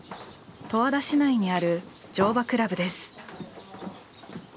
十和田市内にある乗馬倶楽部です。